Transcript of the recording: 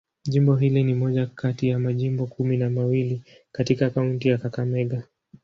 Jimbo hili ni moja kati ya majimbo kumi na mawili katika kaunti ya Kakamega.